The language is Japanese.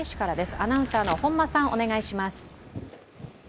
アナウンサーの本間さん、お願いします。